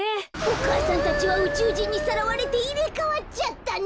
お母さんたちはうちゅうじんにさらわれていれかわっちゃったんだ！